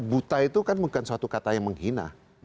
buta itu kan bukan suatu kata yang menghina